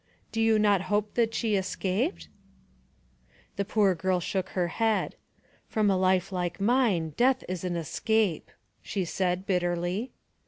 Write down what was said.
Do you not hope that she escaped?" The poor girl shook her head. " From a life like mine death is an escape," she said, bitterly.